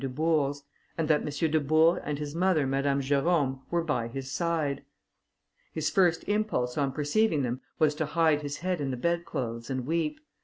Dubourg's, and that M. Dubourg and his mother Madame Jerôme were by his side. His first impulse on perceiving them was to hide his head in the bedclothes and weep.